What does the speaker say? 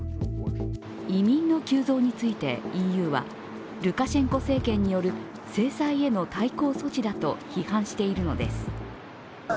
移民の急増について、ＥＵはルカシェンコ政権による制裁への対抗措置だと批判しているのです。